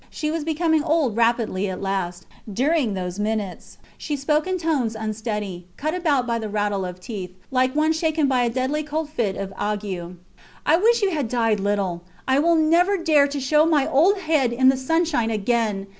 She was becoming old rapidly at last, during those minutes. She spoke in tones unsteady, cut about by the rattle of teeth, like one shaken by a deadly cold fit of ague. I wish you had died little. I will never dare to show my old head in the sunshine again.